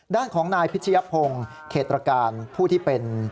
ด้านของนายพิชยพงศ์เขตรการผู้ที่เป็น